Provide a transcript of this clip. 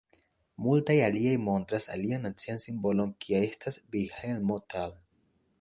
Multaj aliaj montras alian nacian simbolon kia estas Vilhelmo Tell.